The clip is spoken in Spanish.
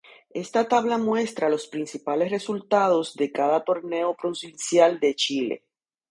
Esta tabla muestra los principales resultados de cada Torneo Provincial de Chile.